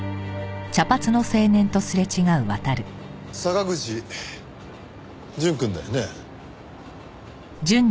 坂口淳くんだよね？